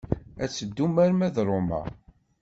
Ad teddum arma d Roma.